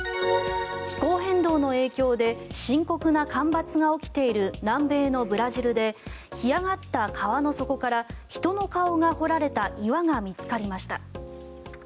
気候変動の影響で深刻な干ばつが起きている南米のブラジルで干上がった川の底から人の顔が彫られた岩が見つかりました。